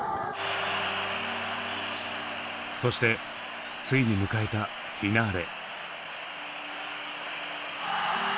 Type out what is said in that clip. そしてついに迎えたフィナーレ。